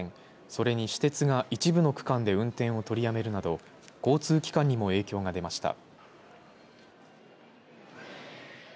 それに私鉄が一部の区間で運転を取りやめるなど交通機関にも影響が出ました。